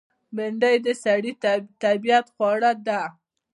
بېنډۍ د سړي طبیعت خوړه ده